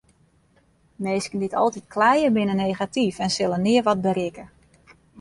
Minsken dy't altyd kleie binne negatyf en sille nea wat berikke.